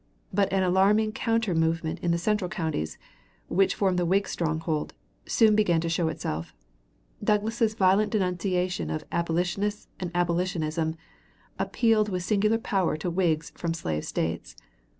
But an alarming counter movement in the central counties, which formed the Whig stronghold, soon began to show itself. Douglas's violent denunciation of "abolitionists" and "abolitionismn" appealed with singular power to Whigs from slave States.